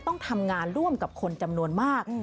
ต้องทำงานร่วมกับคนจำนวนมาก